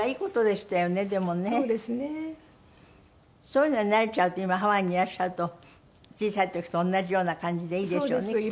そういうのに慣れちゃうと今ハワイにいらっしゃると小さい時と同じような感じでいいでしょうねきっと。